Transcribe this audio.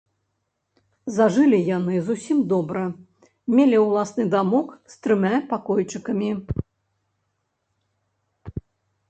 Зажылі яны зусім добра, мелі ўласны дамок з трыма пакойчыкамі.